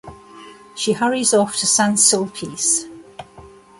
She hurries off to Saint-Sulpice.